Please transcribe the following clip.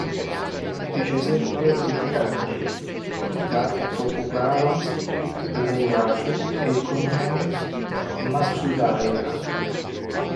Ricevette il kanji "家" da Tokugawa Ieyasu e il cognome Matsudaira.